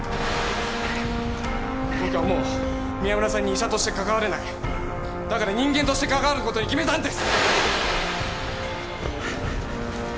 僕はもう宮村さんに医者としてかかわれないだから人間としてかかわることに決めたんです